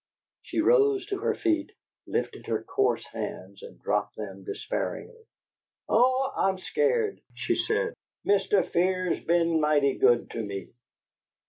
She rose to her feet, lifted her coarse hands, and dropped them despairingly. "Oh, I'm scared!" she said. "Mr. Fear's be'n mighty good to me."